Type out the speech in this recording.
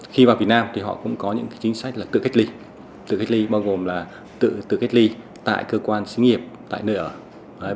khi vào việt nam thì họ cũng có những chính sách tự kết ly tự kết ly bao gồm là tự kết ly tại cơ quan xinh nghiệp tại nơi ở